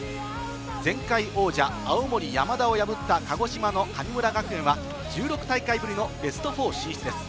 前回王者・青森山田を破った鹿児島の神村学園は、１６大会ぶりのベスト４進出です。